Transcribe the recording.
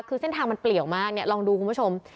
คือเส้นทางมันเปลี่ยวมากเนี่ยลองดูคุณผู้ชม